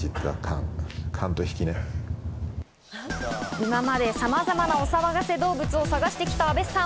今まで、さまざまなお騒がせ動物を探してきた阿部さん。